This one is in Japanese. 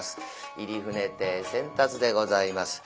入船亭扇辰でございます。